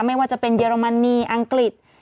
ไม่ว่าจะเป็นเยอรมนีอังกฤษ